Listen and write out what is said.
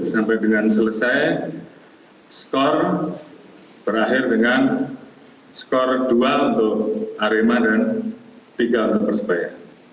sampai dengan selesai skor berakhir dengan skor dua untuk arema dan tiga untuk persebaya